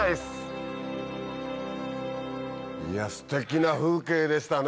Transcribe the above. いやステキな風景でしたね